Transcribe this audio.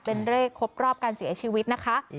เป็นเลขครบรอบการเสียชีวิตนะคะ